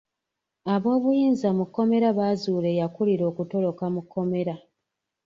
Ab'obuyinza mu kkomera baazuula eyakuulira okutoloka mu kkomera.